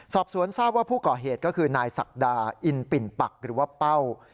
สอบสวนทราบว่าผู้ก่อเหตุก็คือนายศักดาอินปิ่นปักหรือว่าเป้า